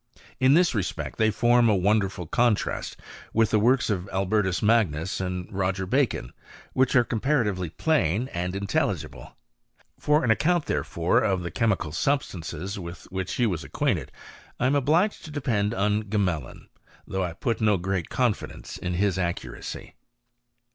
In this respect they form a wonderful contrast with the works of Albertns Magnus and Roger Bacon, which are compcurativdy plain and intelligible. For an account, therefore, of the chemical substances with which he was ac^ quainted, I am obliged to depend on Gmelin ; though I put no great confidence in his accuracy.